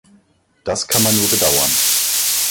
Das kann man nur bedauern.